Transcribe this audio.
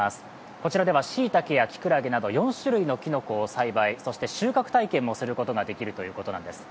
こちらではしいたけやきくらげなど４種類のきのこを栽培、そして収穫体験もすることができるということなんです。